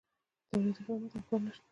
دولتي خدمات او کار نه شته.